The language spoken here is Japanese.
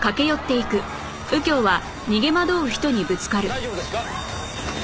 大丈夫ですか？